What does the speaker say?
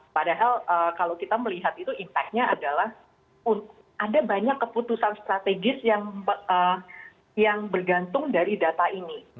padahal kalau kita melihat itu impactnya adalah ada banyak keputusan strategis yang bergantung dari data ini